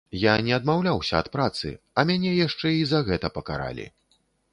Я не адмаўляўся ад працы, а мяне яшчэ і за гэта пакаралі.